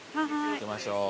行きましょう。